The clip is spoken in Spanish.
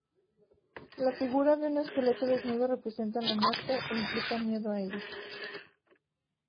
La figura de un esqueleto desnudo representa la muerte e implica miedo a ella.